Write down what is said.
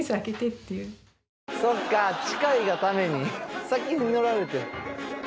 そっか近いがために先に乗られてる。